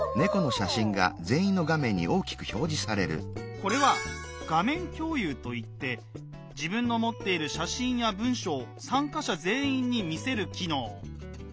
これは「画面共有」といって自分の持っている写真や文書を参加者全員に見せる機能。